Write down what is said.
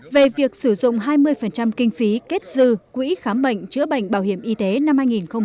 về việc sử dụng hai mươi kinh phí kết dư quỹ khám bệnh chữa bệnh bảo hiểm y tế năm hai nghìn một mươi năm